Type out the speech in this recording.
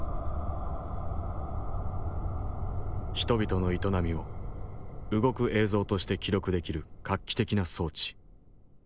人々の営みを動く映像として記録できる画期的な装置。